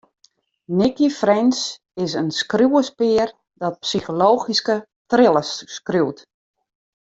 Nicci French is in skriuwerspear dat psychologyske thrillers skriuwt.